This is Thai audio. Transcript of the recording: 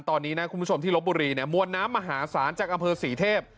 ตอนนี้นะคุณผู้ชมที่ลบบุรีเนี่ยมวลน้ำมหาศาลจากอำเภอศรีเทพ